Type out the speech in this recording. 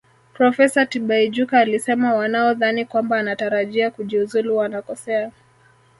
Profesa Tibaijuka alisema wanaodhani kwamba anatarajia kujiuzulu wanakosea